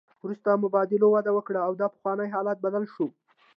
وروسته مبادلو وده وکړه او دا پخوانی حالت بدل شو